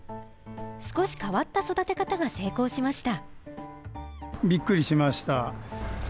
少し変わった育て方が成功しました。